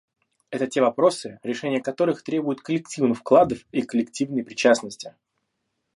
Это те вопросы, решение которых требует коллективных вкладов и коллективной причастности.